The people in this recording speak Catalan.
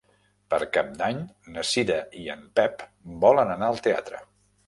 Per Cap d'Any na Cira i en Pep volen anar al teatre.